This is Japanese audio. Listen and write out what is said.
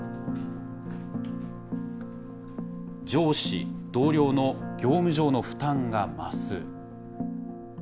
上司、同僚の業務上の負担が増す。